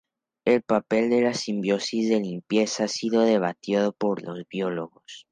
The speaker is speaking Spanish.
El papel de las simbiosis de limpieza ha sido debatido por los biólogos.